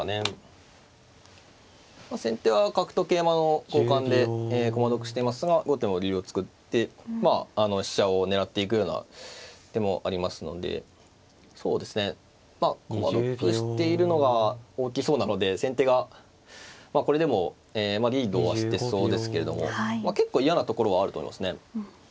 先手は角と桂馬の交換で駒得していますが後手も竜を作って飛車を狙っていくような手もありますのでそうですね駒得しているのが大きそうなので先手がこれでもリードはしてそうですけれども結構嫌なところはあると思いますね。